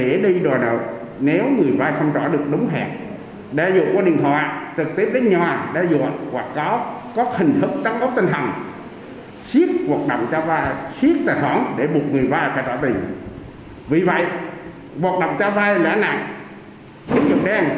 vì vậy bọc đọc cho vai lãnh nặng đối tượng đen luôn tìm bắn nguy cơ phúc thân các phản vi vi phục pháp luật khác